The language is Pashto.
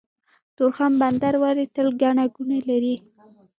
تورخم بندر ولې تل ګڼه ګوڼه لري؟